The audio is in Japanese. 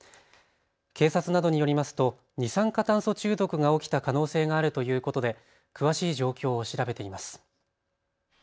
警察などによりますと二酸化炭素中毒が起きた可能性があるということで詳しい状況を調べています。